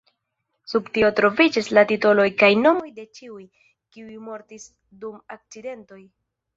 Sub tio troviĝas la titoloj kaj nomoj de ĉiuj, kiuj mortis dum akcidentoj.